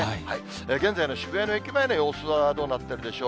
現在の渋谷の駅前の様子はどうなってるでしょう？